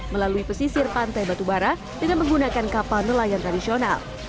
melalui pesisir pantai batubara dengan menggunakan kapal nelayan tradisional